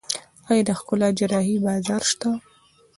آیا د ښکلا جراحي بازار شته؟